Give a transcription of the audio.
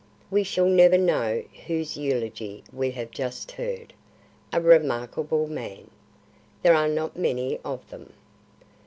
"We shall never know whose eulogy we have just heard. 'A remarkable man!' There are not many of them."